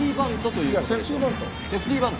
いやセーフティーバント。